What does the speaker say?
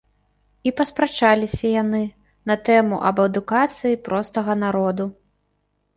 І паспрачаліся яны на тэму аб адукацыі простага народу.